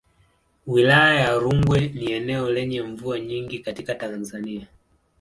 Wilaya ya Rungwe ni eneo lenye mvua nyingi katika Tanzania.